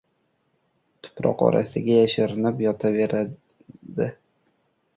Tuproq orasiga yashirinib yotavera-di.